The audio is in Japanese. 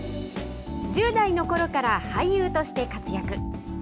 １０代のころから俳優として活躍。